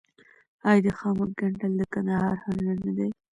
آیا د خامک ګنډل د کندهار هنر نه دی؟